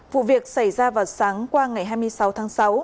vụ việc xảy ra vào sáng qua ngày hai mươi sáu tháng sáu